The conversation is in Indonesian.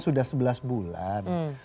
sudah sebelas bulan